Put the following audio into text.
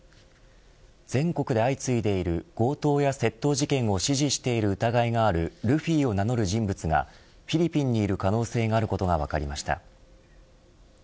全国で相次いでいる強盗や窃盗事件を指示している疑いがあるルフィを名乗る人物がフィリピンにいる可能性があることが分かりました。